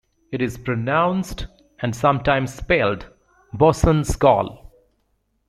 It is pronounced, and sometimes spelled, "bosun's call".